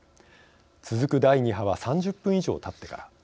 続く第２波は３０分以上たってから。